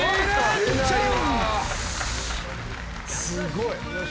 すごい。